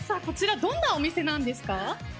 こちら、どんなお店なんですか？